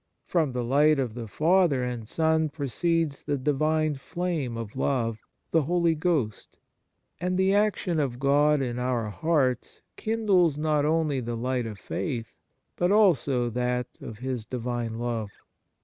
From the light of the Father and Son proceeds the Divine flame of love, the Holy Ghost; and the action of God in our hearts kindles not only the light of faith, but also that of His Divine love.